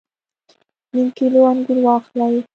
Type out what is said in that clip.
نیم کیلو انګور واخلئ